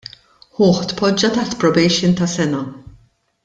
Ħuh tpoġġa taħt probation ta' sena.